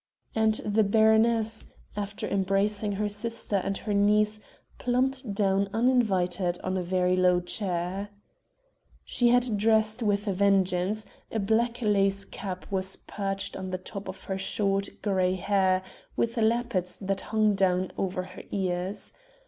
And the baroness, after embracing her sister and her niece, plumped down uninvited on a very low chair. She had dressed with a vengeance: a black lace cap was perched on the top of her short, grey hair, with lappets that hung down over her ears.